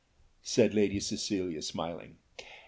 said Lady Cecilia smiling.